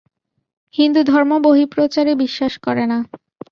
হিন্দুধর্ম বহিঃপ্রচারে বিশ্বাস করে না।